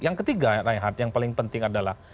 yang ketiga rehat yang paling penting adalah